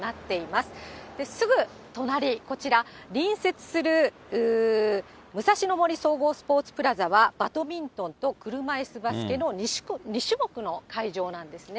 すぐ隣、こちら、隣接する武蔵野の森総合スポーツプラザはバドミントンと車いすバスケの２種目の会場なんですね。